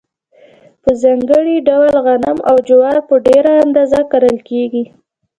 په ځانګړي ډول غنم او جوار په ډېره اندازه کرل کیږي.